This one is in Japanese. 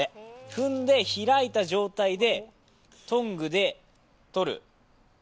踏んで、開いた状態でトングでとる。